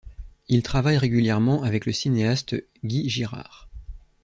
Il travaille régulièrement avec le cinéaste Guy Girard.